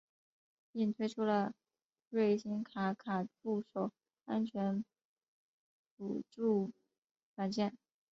并推出了瑞星卡卡助手安全辅助软件。